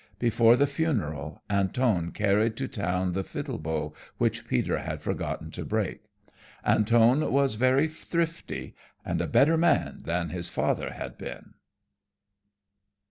Before the funeral Antone carried to town the fiddle bow which Peter had forgotten to break. Antone was very thrifty, and a better man than his father had been.